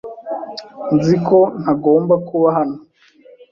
Nzi ko ntagomba kuba hano.